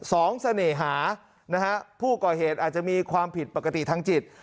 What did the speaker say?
สองเสน่หานะฮะผู้ก่อเหตุอาจจะมีความผิดปกติทางจิต